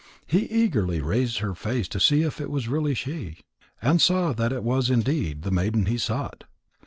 He eagerly raised her face to see if it was really she, and saw that it was indeed the maiden he sought.